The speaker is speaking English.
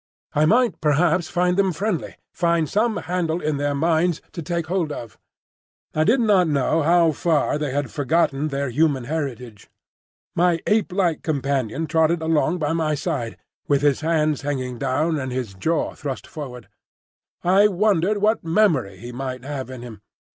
I might perhaps find them friendly, find some handle in their minds to take hold of. I did not know how far they had forgotten their human heritage. My ape like companion trotted along by my side, with his hands hanging down and his jaw thrust forward. I wondered what memory he might have in him.